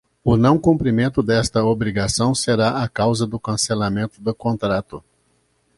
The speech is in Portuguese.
O não cumprimento desta obrigação será a causa do cancelamento do contrato.